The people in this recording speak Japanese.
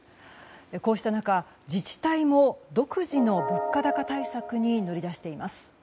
こうした中、自治体も独自の物価高対策に乗り出しています。